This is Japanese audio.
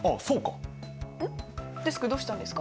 デスクどうしたんですか？